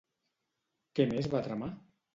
Què més va tramar?